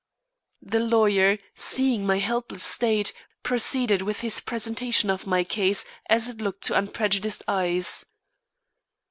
The lawyer, seeing my helpless state, proceeded with his presentation of my case as it looked to unprejudiced eyes.